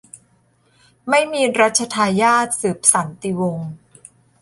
ไม่มีรัชทายาทสืบสันติวงศ์